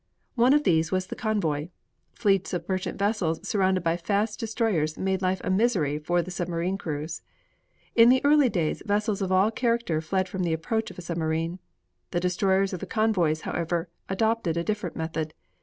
One of these was the convoy: fleets of merchant vessels surrounded by fast destroyers made life a misery for the submarine crews. In the early days vessels of all character fled from the approach of the submarine. The destroyers of the convoys, however, adopted a different method.